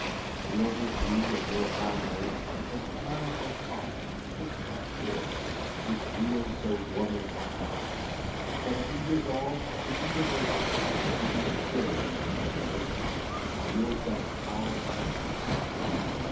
The noble view of your high merits Has charm'd our thoughts and fix'd our spirits, With zeal so warm and hearty; That we resolved to be devoted, At least until we be promoted, By your just power and party.